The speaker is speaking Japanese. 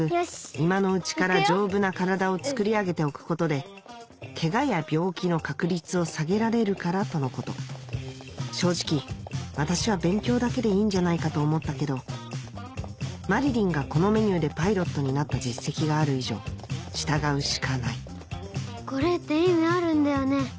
今のうちから丈夫な体をつくり上げておくことでケガや病気の確率を下げられるからとのこと正直私は勉強だけでいいんじゃないかと思ったけどまりりんがこのメニューでパイロットになった実績がある以上従うしかないこれって意味あるんだよね？